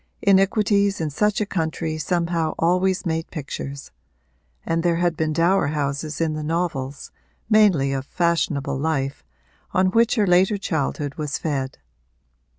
Iniquities in such a country somehow always made pictures; and there had been dower houses in the novels, mainly of fashionable life, on which her later childhood was fed.